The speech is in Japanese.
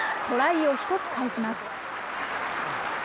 トライを１つ返します。